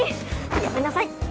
やめなさい！